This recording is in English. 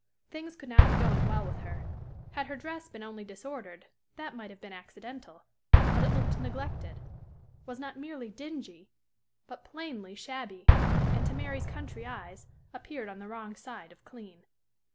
Things could not be going well with her. Had her dress been only disordered, that might have been accidental, but it looked neglected was not merely dingy, but plainly shabby, and, to Mary's country eyes, appeared on the wrong side of clean.